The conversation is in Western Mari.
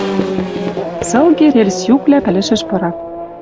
Цылге рельс юквлӓ пӹлӹшӹш пырат.